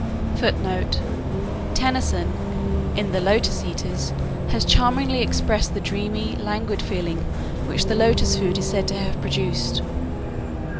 [Footnote: Tennyson in the "Lotus eaters" has charmingly expressed the dreamy, languid feeling which the lotus food is said to have produced.